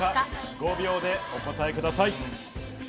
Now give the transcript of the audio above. ５秒でお答えください。